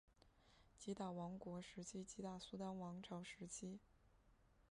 吉打王国时期吉打苏丹王朝时期